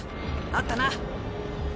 あったな。